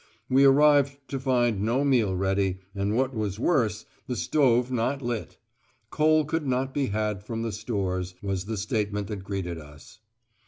We arrived to find no meal ready, and what was worse, the stove not lit. Coal could not be had from the stores, was the statement that greeted us.